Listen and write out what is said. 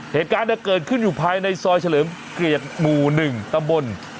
เหตุการณ์เกิดขึ้นอยู่ภายในซอยเฉลิมเกียรติหมู่๑ตำบล